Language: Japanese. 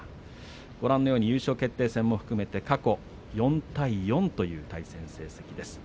ご覧のように優勝決定戦も含めて過去４対４という対戦成績です。